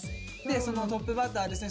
そのトップバッターはですね